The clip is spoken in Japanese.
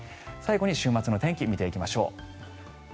最後に週末の天気を見ていきましょう。